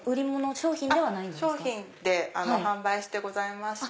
商品で販売してございまして。